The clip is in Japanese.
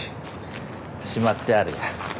しまってあるよ。